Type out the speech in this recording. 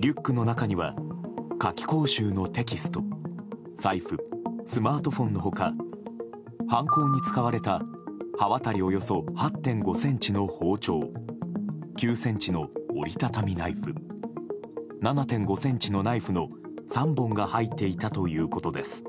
リュックの中には夏期講習のテキスト財布、スマートフォンの他犯行に使われた刃渡りおよそ８．５ｃｍの包丁９ｃｍの折り畳みナイフ７．５ｃｍのナイフの３本が入っていたということです。